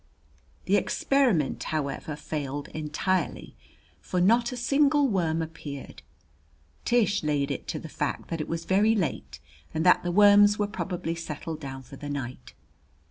The experiment, however, failed entirely, for not a single worm appeared. Tish laid it to the fact that it was very late and that the worms were probably settled down for the night.